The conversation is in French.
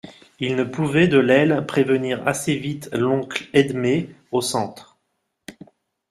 Il ne pouvait, de l'aile, prévenir assez vite l'oncle Edme, au centre.